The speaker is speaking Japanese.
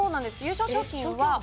優勝賞金が？